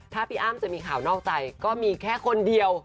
ถ้าพี่อ้ำจะมีข่าวนอกใจก็มีแค่คนเดียว